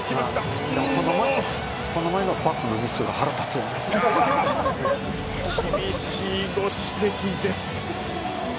その前のミスが厳しいご指摘です。